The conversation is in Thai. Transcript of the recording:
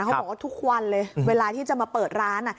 เขาบอกว่าทุกวันเลยเวลาที่จะมาเปิดร้าน